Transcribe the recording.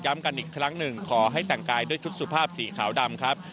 กันอีกครั้งหนึ่งขอให้แต่งกายด้วยชุดสุภาพสีขาวดำครับ